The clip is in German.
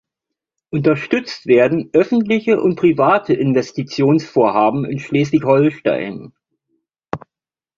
Unterstützt werden öffentliche und private Investitionsvorhaben in Schleswig-Holstein.